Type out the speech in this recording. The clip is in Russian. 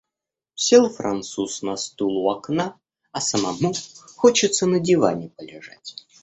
Сел француз на стул у окна, а самому хочется на диване полежать.